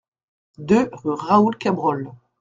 deux rue Raoul Cabrol